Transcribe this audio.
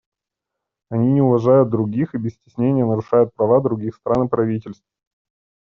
Они не уважают других и без стеснений нарушают права других стран и правительств.